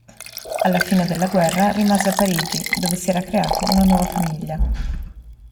Alla fine della guerra rimase a Parigi, dove si era creato una nuova famiglia.